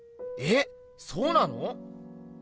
えそうなの？